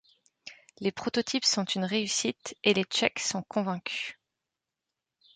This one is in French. Les prototypes sont une réussite, et les tchèques sont convaincus.